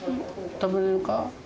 食べれるか？